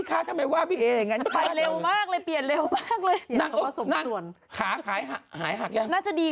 น่าจะดีขึ้นแล้วนักไหมเจอเลย